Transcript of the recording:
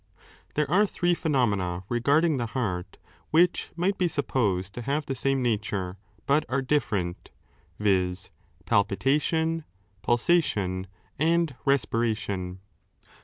There are three phenomena regarding the heart, which might be supposed to have the same nature, but are different, viz. palpitation, pulsation, and respiration.